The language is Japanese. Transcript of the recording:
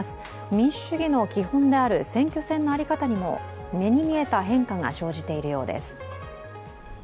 民主主義の基本である選挙戦の在り方にも目に見えた変化が生じているようです。